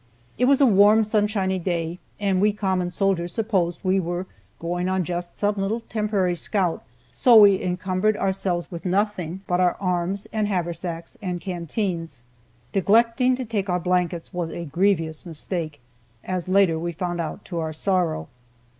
It was a warm, sunshiny day, and we common soldiers supposed we were going on just some little temporary scout, so we encumbered ourselves with nothing but our arms, and haversacks, and canteens. Neglecting to take our blankets was a grievous mistake, as later we found out to our sorrow.